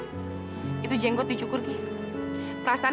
tapi kamu mau menyamakan r uber dan pelayanan